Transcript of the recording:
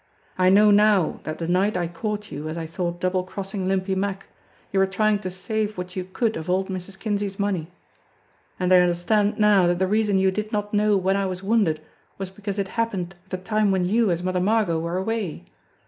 I know now that the night I caught you, as I thought, double crossing Limpy Mack, you were trying to save what you could of old Mrs. Kinsey's money. And I understand now that the reason you did not know when I was wounded was because it happened at the time when you, as Mother Margot, were away.